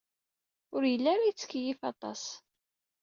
Ur yelli ara yettkeyyif aṭas.